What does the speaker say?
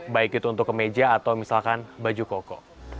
baik itu untuk kemeja atau misalkan baju koko